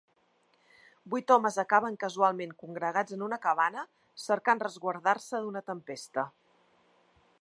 Vuit homes acaben casualment congregats en una cabana, cercant resguardar-se d’una tempesta.